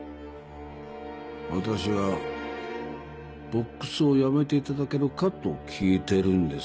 私はボックスをやめていただけるかと聞いてるんです。